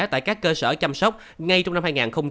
tại các cơ sở chăm sóc ngay trong năm hai nghìn hai mươi